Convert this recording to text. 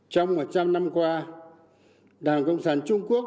trong một trăm linh năm qua đảng cộng sản trung quốc đã lãnh đạo nhân dân trung quốc